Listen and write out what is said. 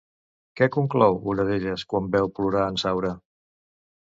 Què conclou una d'elles quan veu plorar en Saura?